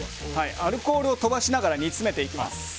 アルコールを飛ばしながら煮詰めていきます。